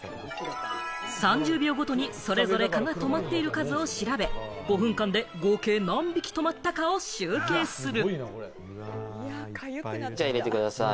３０秒ごとにそれぞれ蚊が止まっている数を調べ、５分間で合計、何匹止まったかを集計する。